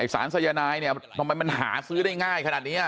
สารสายนายเนี่ยทำไมมันหาซื้อได้ง่ายขนาดนี้